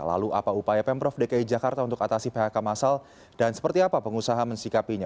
lalu apa upaya pemprov dki jakarta untuk atasi phk masal dan seperti apa pengusaha mensikapinya